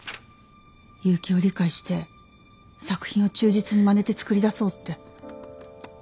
結城を理解して作品を忠実にまねてつくり出そうって。